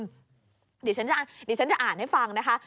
เดี๋ยวฉันจะอ่านให้ฟังนะคะ